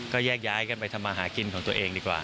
ก็แยกย้ายกันไปทำมาหากินของตัวเองดีกว่า